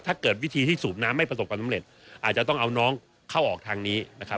ถ้าเกิดวิธีที่สูบน้ำไม่ประสบความสำเร็จอาจจะต้องเอาน้องเข้าออกทางนี้นะครับ